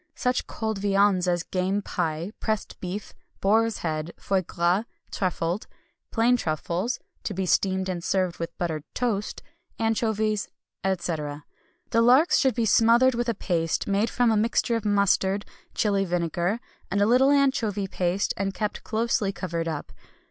Such cold viands as game pie, pressed beef, boar's head, foie gras (truffled), plain truffles (to be steamed and served with buttered toast) anchovies, etc. The larks should be smothered with a paste made from a mixture of mustard, Chili vinegar, and a little anchovy paste, and kept closely covered up.